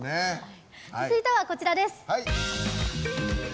続いては、こちらです。